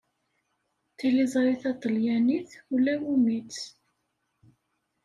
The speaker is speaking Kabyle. Tiliẓri taṭelyanit ulawumi-tt.